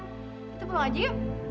kita pulang aja yuk